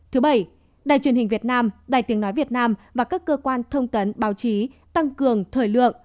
thứ bảy đài truyền hình việt nam đài tiếng nói việt nam và các cơ quan thông tấn báo chí tăng cường thời lượng